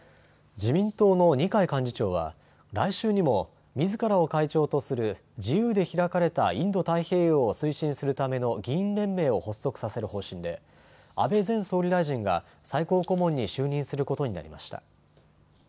自民党の二階幹事長は来週にも、みずからを会長とする自由で開かれたインド太平洋を推進するための議員連盟を発足させる方針で安倍前総理大臣が最高顧問に就任することになりました。